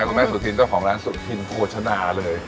คุณแม่สุธินเจ้าของร้านสุธินโภชนาเลย